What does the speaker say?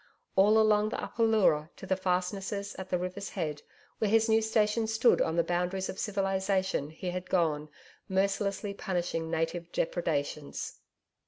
All along the Upper Leura to the fastnesses at the river's head where his new station stood on the boundaries of civilisation he had gone, mercilessly punishing native depredations.